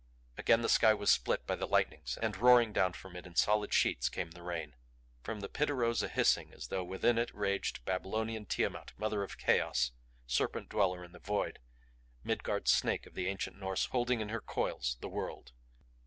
Again the sky was split by the lightnings. And roaring down from it in solid sheets came the rain. From the Pit arose a hissing as though within it raged Babylonian Tiamat, Mother of Chaos, serpent dweller in the void; Midgard snake of the ancient Norse holding in her coils the world.